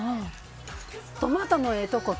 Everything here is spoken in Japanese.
トマトのええとこと